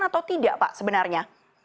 atau tidak pak sebenarnya